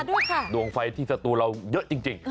ก็ว่าดวงไฟที่ศัตรูเราเยอะจริง